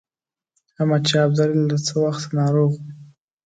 احمدشاه ابدالي له څه وخته ناروغ وو.